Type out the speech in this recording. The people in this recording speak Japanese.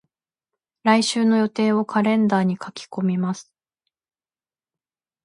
来週の予定をカレンダーに書き込みます。